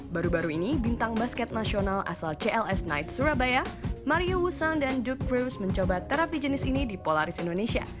baru baru ini bintang basket nasional asal cls knights surabaya mario wusang dan dukes mencoba terapi jenis ini di polaris indonesia